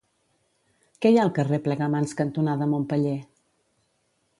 Què hi ha al carrer Plegamans cantonada Montpeller?